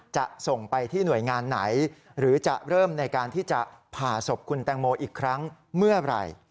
จะส่งไปที่หน่วยงานไหนหรือจะเริ่มในการที่จะผ่าศพคุณแตงโมอีกครั้งเมื่อไหร่